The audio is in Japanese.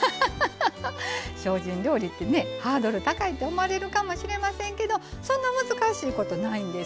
精進料理ってハードル高いって思われるかもしれませんけどそんな難しいことないんです。